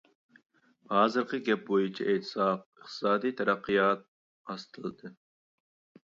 ھازىرقى گەپ بويىچە ئېيتساق، ئىقتىسادى تەرەققىيات ئاستىلىدى.